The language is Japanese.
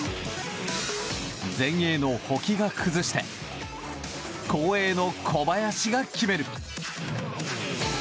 前衛の保木が崩して後衛の小林が決める。